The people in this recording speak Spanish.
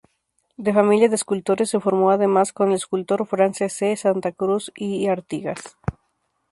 De familia de escultores, se formó además con el escultor Francesc Santacruz i Artigas.